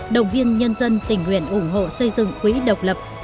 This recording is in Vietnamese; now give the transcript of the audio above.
động viên nhân dân tình nguyện ủng hộ xây dựng quỹ độc lập